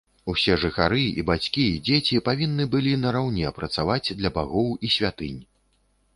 Усе жыхары, і бацькі і дзеці, павінны былі нараўне працаваць для багоў і святынь.